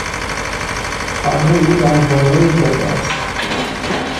خانهی او در بالای جاده است.